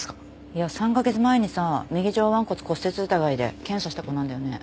いや３カ月前にさ右上腕骨骨折疑いで検査した子なんだよね。